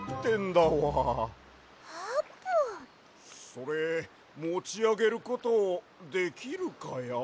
それもちあげることできるかや？